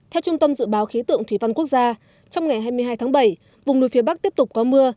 theo trung tâm dự báo khí tượng thủy văn quốc gia trong ngày hai mươi hai tháng bảy vùng núi phía bắc tiếp tục có mưa